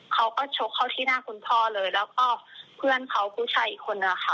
ชกเข้าที่หน้าคุณพ่อเลยแล้วก็เพื่อนเขาผู้ชายอีกคนนึงนะคะ